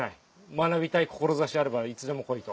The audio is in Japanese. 学びたい志あればいつでも来いと。